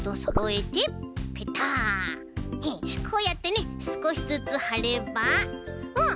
こうやってねすこしずつはればうん！